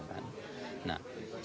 nah sejauh ini